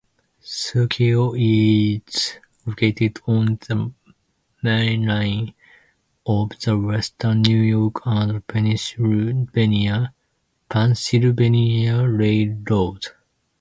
Scio is located on the mainline of the Western New York and Pennsylvania Railroad.